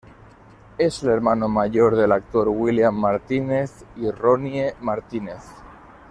Es el hermano mayor del actor William Martínez y Ronnie Martínez.